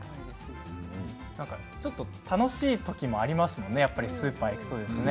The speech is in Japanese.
ちょっと楽しいときもありますもんね、スーパーに行くとですね。